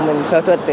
mình sơ trích